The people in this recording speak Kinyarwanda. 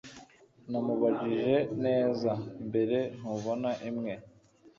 Namubajije neza mbere Ntubona imwe